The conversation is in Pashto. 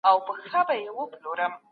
زه ستاسو په خدمت کې یم.